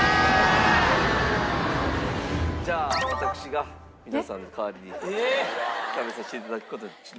じゃあ私が皆さんの代わりに食べさせていただく事に。